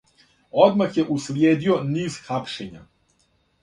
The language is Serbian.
Одмах је услиједио низ хапшења.